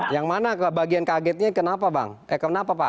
yang mana bagian kagetnya kenapa bang kenapa pak